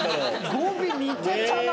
語尾似てたな！